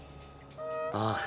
ああ。